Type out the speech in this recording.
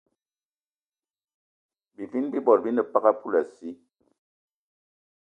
Bivini bi bot bi ne peg a poulassi